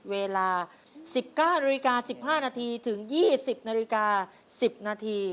เวลา๑๙น๑๕นถึง๒๐น๑๐น